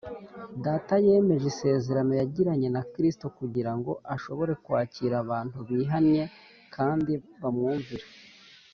data yemeje isezerano yagiranye na kristo kugira ngo ashobore kwakira abantu bihannye kandi bamwumvira,